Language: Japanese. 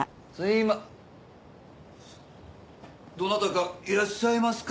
どなたかいらっしゃいますか？